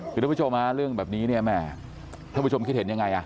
คุณผู้ชมเรื่องแบบนี้ถ้าผู้ชมคิดเห็นยังไง